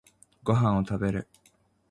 ご飯を食べる。